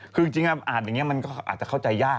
คือจริงอ่านอย่างนี้มันก็อาจจะเข้าใจยาก